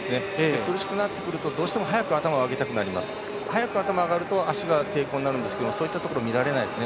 苦しくなってくるとどうしても早く頭を上げたくなって早く頭が上がると足が抵抗になるんですがそういったところが見られないですね